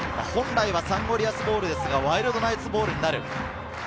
本来はサンゴリアスボールですが、ワイルドナイツボールになる。